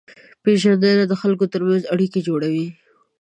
پېژندنه د خلکو ترمنځ اړیکې جوړوي.